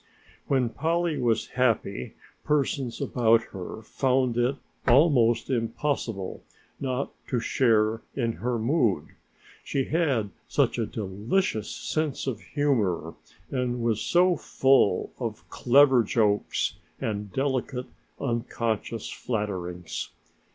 When Polly was happy persons about her found it almost impossible not to share in her mood, she had such a delicious sense of humor and was so full of clever jokes and delicate, unconscious flatterings.